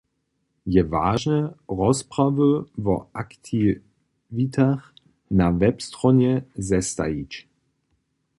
Je wažne, rozprawy wo aktiwitach na web-stronje zestajić.